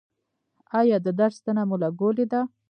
ایا د درد ستنه مو لګولې ده؟